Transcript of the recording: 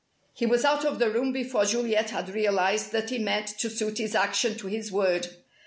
He was out of the room before Juliet had realized that he meant to suit his action to his word!